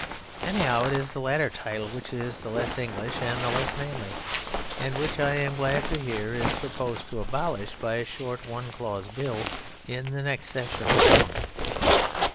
Anyhow, it is the latter title which is the less English and the less manly and which I am glad to hear it is proposed to abolish by a short, one clause bill in the next Session of Parliament.